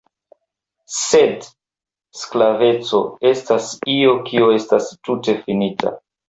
Sed (sklaveco) estas io kio estas tute finita.